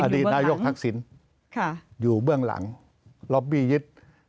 อดีตนายกทักษิณอยู่เบื้องหลังล็อบบี้ยึด